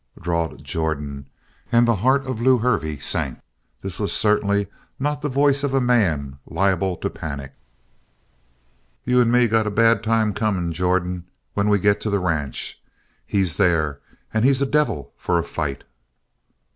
drawled Jordan, and the heart of Lew Hervey sank. This was certainly not the voice of a man liable to panic. "You and me got a bad time coming, Jordan, when we get to the ranch. He's there, and he's a devil for a fight!"